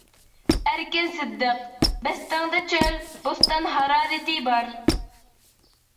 ئەركىن سىدىق، بەستىڭدە چۆل، بوستان ھارارىتى بار.